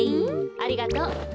ありがとう。